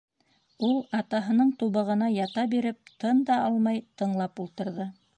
Ул, атаһының тубығына ята биреп, тын да алмай тыңлап ултырҙы.